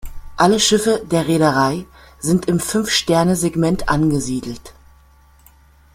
Alle Schiffe der Reederei sind im Fünf-Sterne-Segment angesiedelt.